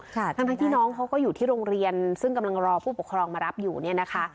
ทั้งทั้งที่น้องเขาก็อยู่ที่โรงเรียนซึ่งกำลังรอผู้ปกครองมารับอยู่เนี่ยนะคะ